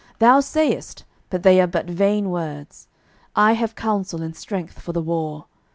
12:018:020 Thou sayest, (but they are but vain words,) I have counsel and strength for the war.